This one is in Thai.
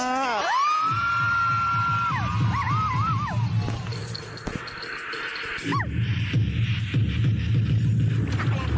รับบทแม็กซ์ขาตลาดนะครับ